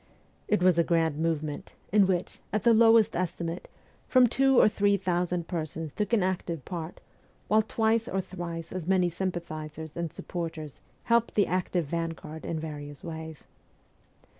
It was a grand movement, in i 2 116 MEMOIRS OF A REVOLUTIONIST which, at the lowest estimate, from two to three thousand persons took an active part, while twice or thrice as many sympathizers and supporters helped the active vanguard in various ways.